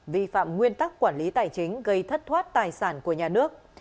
vi phạm nguyên tắc quản lý tài chính gây thất thoát tài sản của nhà nước